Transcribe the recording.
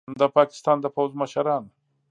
د پاکستان د پوځ مشران